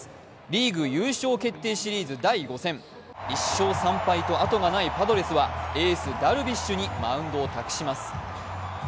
リーグ優勝決定シリーズ第５戦、１勝３敗とあとがないパドレスエース・ダルビッシュにマウンドを託します。